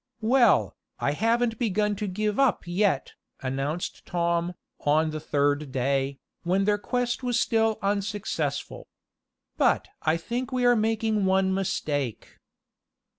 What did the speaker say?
"Well, I haven't begun to give up yet," announced Tom, on the third day, when their quest was still unsuccessful. "But I think we are making one mistake."